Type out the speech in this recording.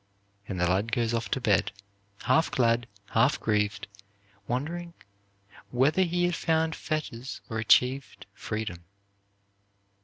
And the lad goes off to bed, half glad, half grieved, wondering whether he has found fetters or achieved freedom.